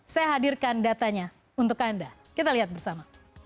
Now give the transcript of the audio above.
saya hadirkan datanya untuk anda kita lihat bersama